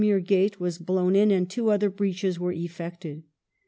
The Kashmir gate was blown in and two other breaches were effected.